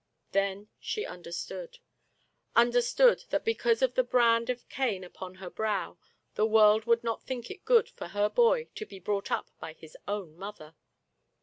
Then she understood. Understood, that be cause of the brand of Cain upon her brow, the world would not think it good for her boy to be brought up by his own mother